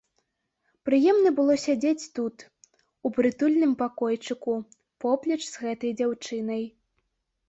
Прыемна было сядзець тут, у прытульным пакойчыку, поплеч з гэтай дзяўчынай.